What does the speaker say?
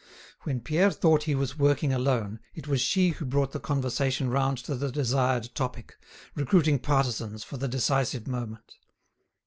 When Pierre thought he was working alone it was she who brought the conversation round to the desired topic, recruiting partisans for the decisive moment.